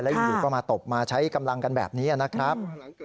แล้วอีกหนึ่งก็มาตบมาใช้กำลังกันแบบนี้นะครับ